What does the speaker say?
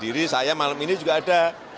diri saya malam ini juga ada